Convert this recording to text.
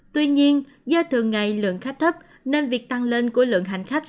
tuy nhiên do thường ngày lượng khách thấp nên việc tăng lên của lượng hành khách